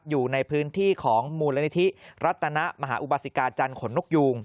อยู่ในพื้นที่ของมูลนิธิรัตนมหาอุบาสิกาจันทร์ขนนกยูง